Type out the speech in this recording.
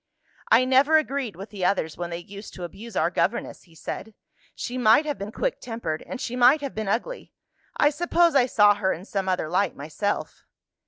"I never agreed with the others when they used to abuse our governess," he said. "She might have been quick tempered, and she might have been ugly I suppose I saw her in some other light myself."